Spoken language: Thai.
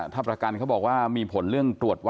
ถ้าประกันเค้าบอกว่ามีผลเรื่องรวมเวิร์นวัด